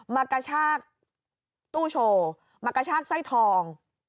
มากระชากตู้โชว์มากระชากสร้อยทอง